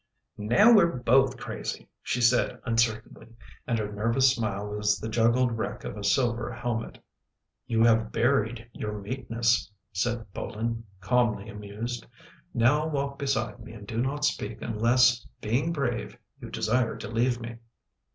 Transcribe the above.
" Now we're both crazy," she said uncertainly, and her nervous smile was the juggled wreck of a silver helmet. " You have buried your meekness," said Bolin, calmly amused. " Now walk beside me and do not speak unless, being brave, you desire to leave me."